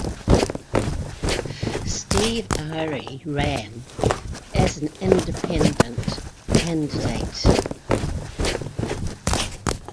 Steve Ary ran as an independent candidate.